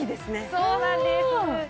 そうなんです。